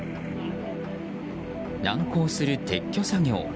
難航する撤去作業。